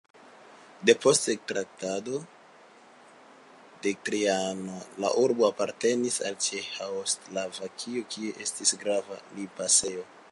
Depost Traktato de Trianon la urbo apartenis al Ĉeĥoslovakio, kie estis grava limpasejo.